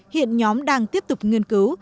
hiện nhóm đang tiếp tục nghiên cứu